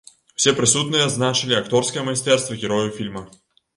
Усе прысутныя адзначылі акторскае майстэрства герояў фільма.